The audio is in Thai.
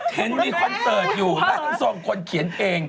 เห็นมีแผ่นอยู่ล่างทรงคนเขียนเพลง